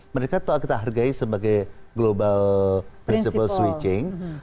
mereka kita hargai sebagai global festival switching